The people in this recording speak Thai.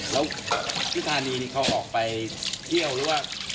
แล้วที่ธานีนี่เขาออกไปเที่ยวหรือว่า